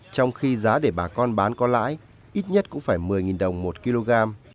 trong khi giá để bà con bán có lãi ít nhất cũng phải một mươi đồng một kg